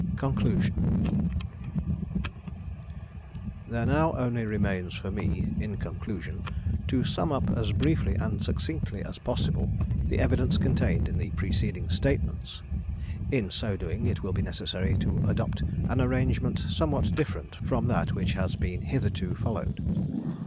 Conclusion. There now only remains for me, in conclusion, to sum up as briefly and succinctly as possible the evidence contained in the preceding statements. In so doing, it will be necessary to adopt an arrangement somewhat different from that which has been hitherto followed.